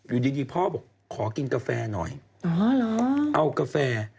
อยู่ดีพ่อบอกขอกินกาแฟหน่อยเอากาแฟ